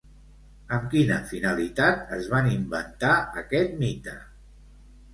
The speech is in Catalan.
Amb quina finalitat es van inventar aquest mite?